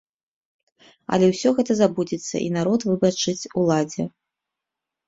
Але ўсё гэта забудзецца і народ выбачыць уладзе.